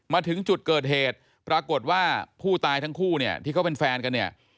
มาถึงจุดเกิดเหตุปรากฏว่าผู้ตายทั้งคู่เนี่ยที่เขาเป็นแฟนกันเนี่ย